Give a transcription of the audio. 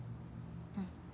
うん。